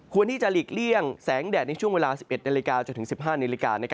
ควรที่จะหลีกเลี่ยงแสงแดดในช่วงเวลา๑๑นจนถึง๑๕น